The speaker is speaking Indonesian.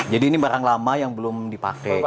jadi ini barang lama yang belum dipakai